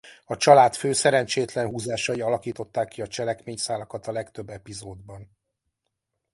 A családfő szerencsétlen húzásai alakították ki a cselekményszálakat a legtöbb epizódban.